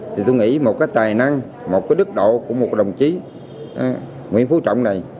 thì tôi nghĩ một cái tài năng một cái đức độ của một đồng chí nguyễn phú trọng này